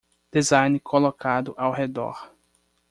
Design colocado ao redor